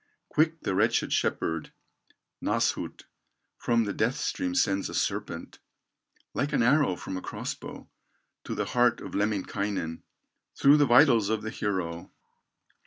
Quick the wretched shepherd, Nasshut, From the death stream sends a serpent, Like an arrow from a cross bow, To the heart of Lemminkainen, Through the vitals of the hero.